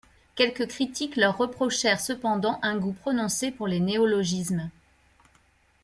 Quelques critiques leur reprochèrent cependant un goût prononcé pour les néologismes.